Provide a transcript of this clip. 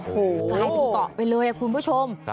โอ้โหกลายเป็นเกาะไปเลยคุณผู้ชม